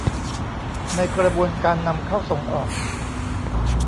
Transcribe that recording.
ในกระบวนการนำเข้าส่งออก